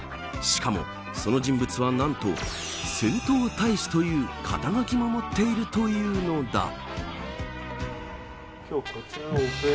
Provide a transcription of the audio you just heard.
しかも、その人物は何と銭湯大使という肩書も持っているというのだ。